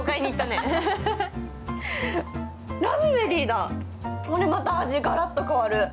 ラズベリーだ、これまた味がガラッと変わる。